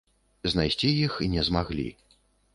Знайсці іх не змаглі.